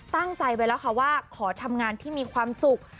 ตั้งใจไว้แล้วค่ะว่าขอทำงานที่มีความสุข